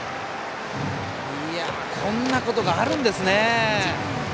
こんなことがあるんですね。